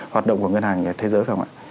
hoạt động của ngân hàng thế giới